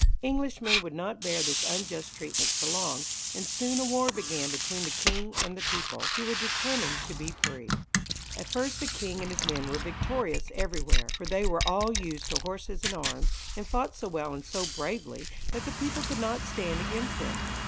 Englishmen would not bear this unjust treatment for long, and soon a war began between the king and the people, who were determined to be free. At first the king and his men were victorious everywhere, for they were all used to horses and arms, and fought so well and so bravely that the people could not stand against them.